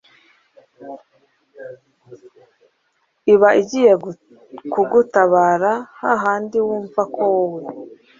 iba igiye kugutabara hahandi wumva ko wowe